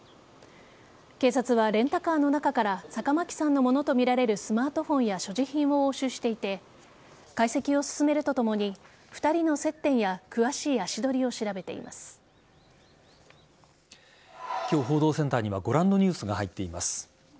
警察は、レンタカーの中から坂巻さんのものとみられるスマートフォンや所持品を押収していて解析を進めるとともに２人の接点や詳しい足取りを今日、報道センターにはご覧のニュースが入っています。